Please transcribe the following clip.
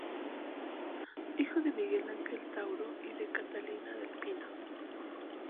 Hijo de Miguel Ángel Tauro y de Catalina del Pino.